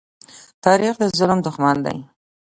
تاریخ د ظلم دښمن دی.